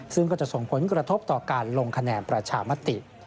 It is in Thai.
ซึ่งก็จะส่งผลกระทบต่อการลงคะแนนประชามติ